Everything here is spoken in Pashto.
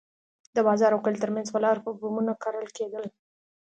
د بازار او کلي ترمنځ پر لارو به بمونه کرل کېدل.